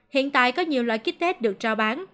hiện tại có nhiều loại kích tết được trao bán